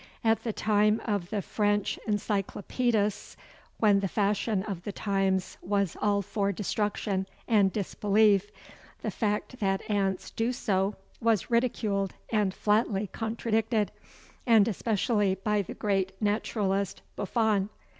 At the time of the French Encyclopædists, when the fashion of the times was all for destruction and disbelief, the fact that ants do so was ridiculed and flatly contradicted, and especially by the great naturalist Buffon.